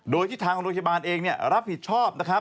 โดยที่ทางโรงพยาบาลเองรับผิดชอบนะครับ